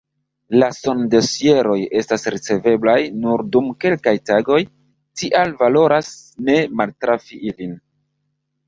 La sondosieroj estas riceveblaj nur dum kelkaj tagoj, tial valoras ne maltrafi ilin.